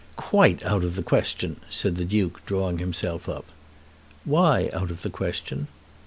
"Quite out of the question!" said the Duke, drawing himself up. "Why out of the question?"